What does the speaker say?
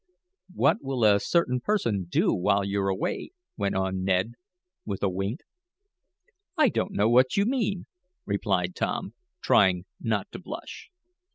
"What will a certain person do while you're away?" went on Ned, with a wink. "I don't know what you mean," replied Tom, trying not to blush.